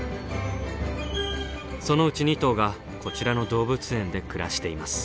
そのうち２頭がこちらの動物園で暮らしています。